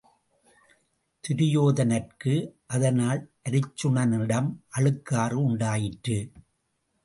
துரியோதனர்க்கு அதனால் அருச்சுனனிடம் அழுக்காறு உண்டாயிற்று.